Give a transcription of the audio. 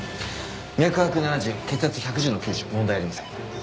脈拍７０血圧１１０の９０問題ありません。